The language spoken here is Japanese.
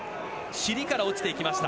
尻から落ちていきました。